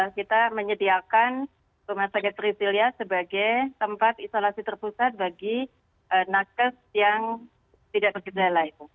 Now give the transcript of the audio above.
kita menyediakan rumah sakit pricilya sebagai tempat isolasi terpusat bagi nakes yang tidak bergejala itu